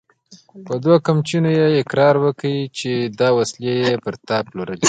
په دوو قمچينو يې اقرار وکړ چې دا وسلې يې پر تا پلورلې!